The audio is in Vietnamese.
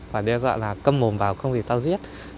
và đe dọa là cầm mồm vào không thì tao giết